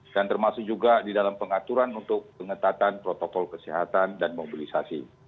dan termasuk juga di dalam pengaturan untuk pengetatan protokol kesehatan dan mobilisasi